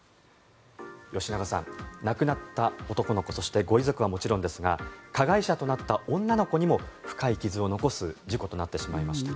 吉永さん、亡くなった男の子そしてご遺族はもちろんですが加害者となった女の子にも深い傷を残す事故となってしまいました。